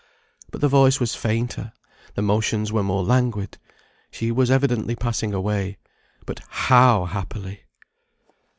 But the voice was fainter, the motions were more languid; she was evidently passing away; but how happily!